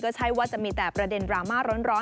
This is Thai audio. ใช่ว่าจะมีแต่ประเด็นดราม่าร้อน